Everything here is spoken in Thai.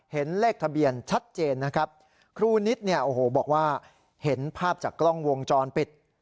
เห็นเลขทะเบียนชัดเจนนะครับครูนิดเนี่ยโอ้โหบอกว่าเห็นภาพจากกล้องวงจรปิด